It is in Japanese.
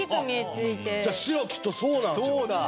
じゃあ白きっとそうなんですよ。